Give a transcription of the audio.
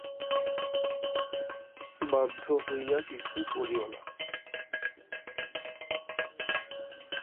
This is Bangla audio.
বাধ্য হইয়া কিছু করিও না।